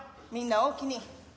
みんなおおきに。